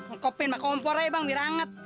ngekepin mah kompor ya bang biar anget